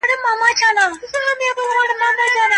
د خلګو په زړونو کي ځای پيدا کړئ.